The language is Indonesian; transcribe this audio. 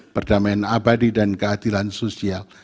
perdamaian abadi dan keadilan sosial